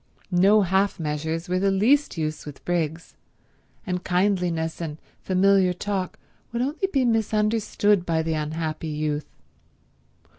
No half measures were the least use with Briggs, and kindliness and familiar talk would only be misunderstood by the unhappy youth.